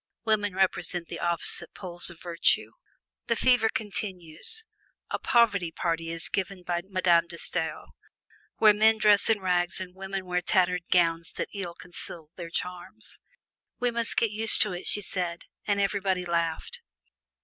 Women represent the opposite poles of virtue. The fever continues: a "poverty party" is given by Madame De Stael, where men dress in rags and women wear tattered gowns that ill conceal their charms. "We must get used to it," she said, and everybody laughed.